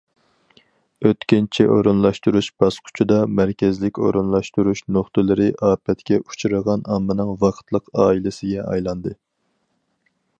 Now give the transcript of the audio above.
ئۆتكۈنچى ئورۇنلاشتۇرۇش باسقۇچىدا، مەركەزلىك ئورۇنلاشتۇرۇش نۇقتىلىرى ئاپەتكە ئۇچرىغان ئاممىنىڭ ۋاقىتلىق ئائىلىسىگە ئايلاندى.